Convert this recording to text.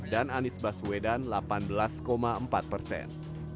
dan anies baswedan delapan belas empat persen